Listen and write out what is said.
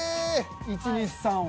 １２３を。